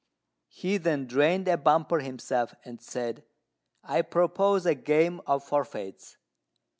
He then drained a bumper himself, and said, "I propose a game of forfeits.